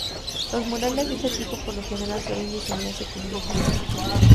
Los murales de este tipo por lo general solían diseñarse con imágenes religiosas.